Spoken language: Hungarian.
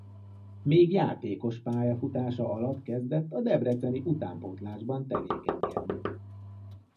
Még játékos pályafutása alatt kezdett a debreceni utánpótlásban tevékenykedni.